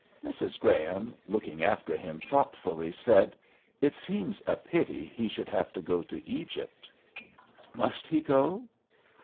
Mrs. Graham, looking after hini, thoughtfully said, "It seems a pity he should have to go to Egypt." " Must he go